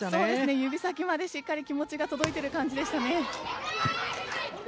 指先までしっかり気持ちが届いている感じですね。